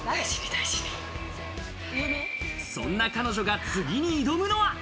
そんな彼女が次に挑むのが。